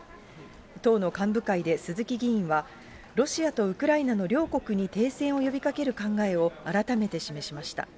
党の幹部会で鈴木議員は、ロシアとウクライナの両国に停戦を呼びかける考えを改めて示しました。